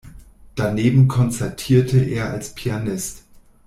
Daneben konzertierte er als Pianist.